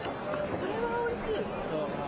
これはおいしい！